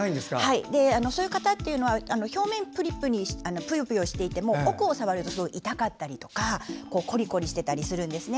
そういう方は表面がぷよぷよしていても奥を触ると痛かったりとかコリコリしてたりするんですね。